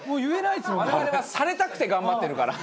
我々はされたくて頑張ってるから。